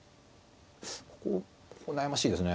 ここここ悩ましいですね。